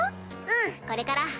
うんこれから。